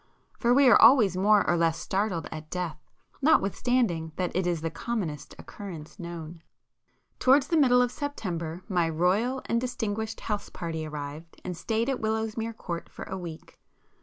For we are always more or less startled at death notwithstanding that it is the commonest occurrence known. Towards the middle of September my 'royal and distinguished' house party arrived and stayed at Willowsmere Court for a week.